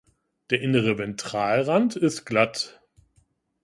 Der innere Ventralrand ist glatt.